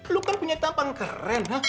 lo kan punya tampan keren